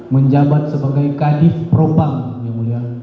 menjabat sebagai kadif propang ya mulia